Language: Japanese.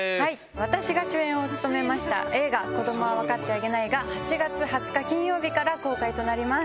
私が主演を務めました映画『子供はわかってあげない』が８月２０日金曜日から公開となります。